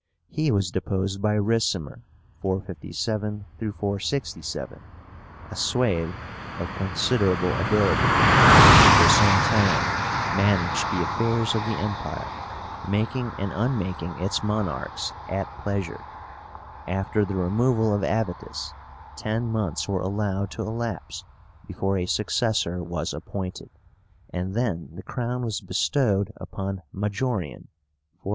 He was deposed by RICIMER (457 467), a Sueve, of considerable ability, who for some time managed the affairs of the Empire, making and unmaking its monarchs at pleasure. After the removal of Avítus, ten months were allowed to elapse before a successor was appointed; and then the crown was bestowed upon MAJORIAN (457 461).